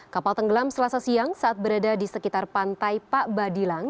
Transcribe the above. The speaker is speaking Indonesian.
kapal tenggelam selasa siang saat berada di sekitar pantai pak badilang